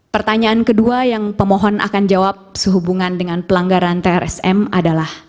pertanyaan kedua yang pemohon akan jawab sehubungan dengan pelanggaran trsm adalah